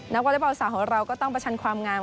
วอเล็กบอลสาวของเราก็ต้องประชันความงาม